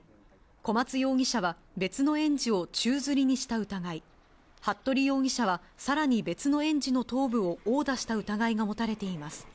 小松容疑者は別の園児を宙づりにした疑い、服部容疑者は、さらに別の園児の頭部を殴打した疑いが持たれています。